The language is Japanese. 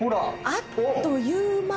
あっという間。